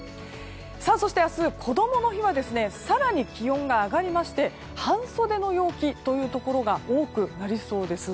そして、明日、こどもの日は更に気温が上がりまして半袖の陽気というところが多くなりそうです。